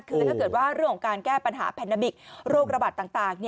คือถ้าเกิดว่าเรื่องของการแก้ปัญหาแพนนาบิกโรคระบาดต่าง